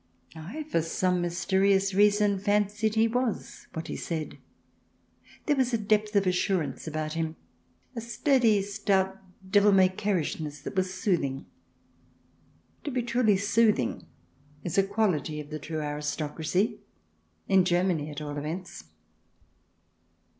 I, for some mysterious reason, fancied he was what he said ; there was a depth of assurance about him, a sturdy, stout, devil may careishness that was sooth ing. To be truly soothing is a quality of the true aristocracy — in Germany, at all events.